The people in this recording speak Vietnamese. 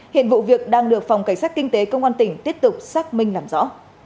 hiện vụ việc đang được phòng cảnh sát kinh tế công an tỉnh tiếp tục xác minh làm rõ